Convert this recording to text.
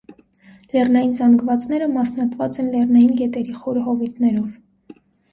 Լեռնային զանգվածները մասնատված են լեռնային գետերի խորը հովիտներով։